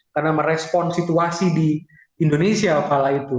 karena merespon situasi di indonesia apalagi itu